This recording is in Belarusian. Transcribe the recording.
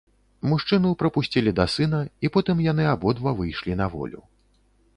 Мужчыну прапусцілі да сына, і потым яны абодва выйшлі на волю.